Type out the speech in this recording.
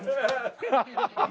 ハハハハッ！